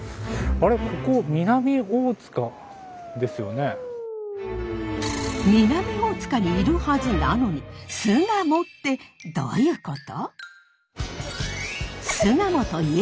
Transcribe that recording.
南大塚にいるはずなのに巣鴨ってどういうこと？